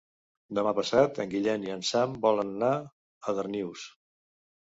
Demà passat en Guillem i en Sam volen anar a Darnius.